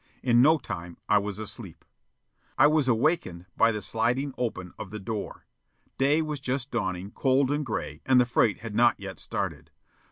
In no time I was asleep. I was awakened by the sliding open of the door. Day was just dawning, cold and gray, and the freight had not yet started.